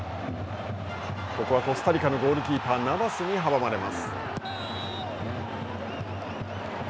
ここはコスタリカのゴールキーパーナバスに阻まれます。